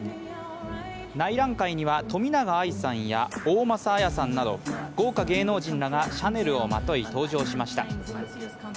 内覧会には、冨永愛さんや大政絢さんなど、豪華芸能人らがシャネルをまとい登場しました。